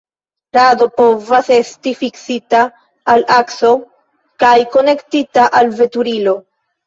Rado povas esti fiksita al akso kaj konektita al veturilo.